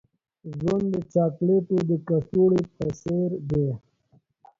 ژوند د چاکلیټو د کڅوړې په څیر دی.